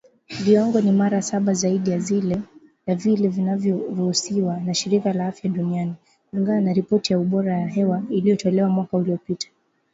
Viwango ni mara saba zaidi ya vile vinavyoruhusiwa na shirika la afya duniani , kulingana na ripoti ya ubora wa hewa iliyotolewa mwaka uliopita